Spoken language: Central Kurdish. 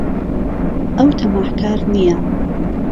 ئەو تەماحکار نییە.